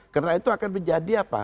karena itu akan menjadi apa